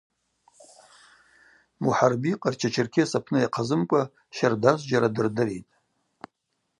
Мухӏарби Къарча-Черкес апны йахъазымкӏва щардазджьара дырдыритӏ.